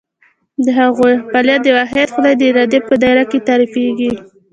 د هغوی فعالیت د واحد خدای د ارادې په دایره کې تعریفېږي.